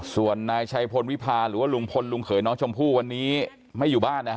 ส่วนนายชัยพลวิพาหรือว่าลุงพลลุงเขยน้องชมพู่วันนี้ไม่อยู่บ้านนะฮะ